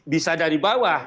bisa dari bawah